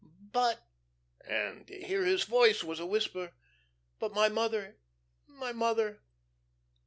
But' and here his voice was a whisper 'but my mother my mother!'"